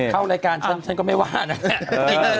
เข้ารายการฉันก็ไม่ว่านะ